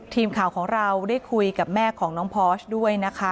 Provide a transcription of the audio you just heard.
ทีมข่าวของเราได้คุยกับแม่ของน้องพอร์ชด้วยนะคะ